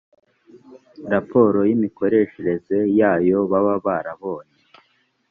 raporo y imikoreshereze y ayo baba barabonye